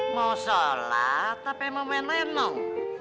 mau sholat apa mau main main dong